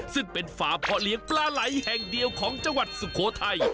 ซึ่งเป็นฝาเพาะเลี้ยงปลาไหลแห่งเดียวของจังหวัดสุโขทัย